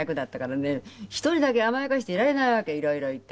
１人だけ甘やかしていられないわけいろいろいて。